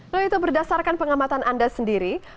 lalu itu berdasarkan pengamatan anda sendiri